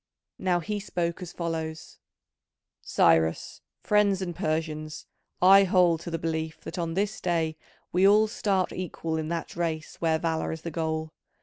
Now he spoke as follows: "Cyrus, friends, and Persians, I hold to the belief that on this day we all start equal in that race where valour is the goal.